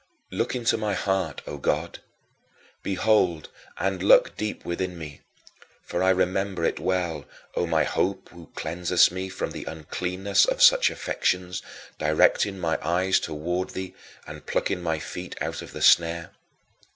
Look into my heart, O God! Behold and look deep within me, for I remember it well, O my Hope who cleansest me from the uncleanness of such affections, directing my eyes toward thee and plucking my feet out of the snare.